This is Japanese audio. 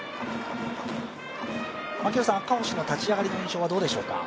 赤星の立ち上がりの印象はどうでしょうか？